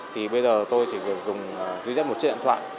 thì bây giờ tôi chỉ được dùng duy nhất một chiếc điện thoại